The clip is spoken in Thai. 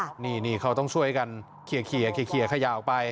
ครับนี่ก็ต้องช่วยให้กันเคลียร์ขยะออกไป